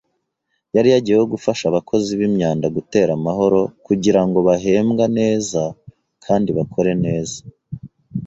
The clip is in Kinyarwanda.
Yari yagiyeyo gufasha abakozi b’imyanda gutera amahoro kugirango bahembwa neza kandi bakore neza.